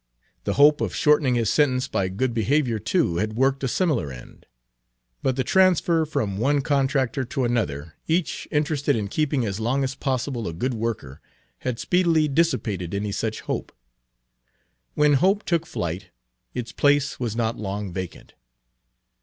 The hope of shortening his sentence by good behavior, too, had worked a similar end. But the transfer from one contractor to another, each interested in keeping as long as possible a good worker, had speedily dissipated any such hope. When hope took flight, its place was not long vacant.